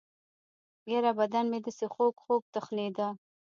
يره بدن مې دسې خوږخوږ تخنېده.